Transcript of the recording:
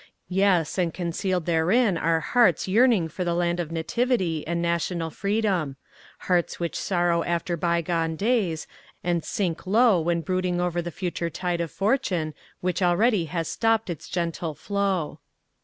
Yes, and concealed therein are hearts yearning for the land of nativity and national freedom; hearts which sorrow after bygone days, and sink low when brooding over the future tide of fortune which already has stopped its gentle flow.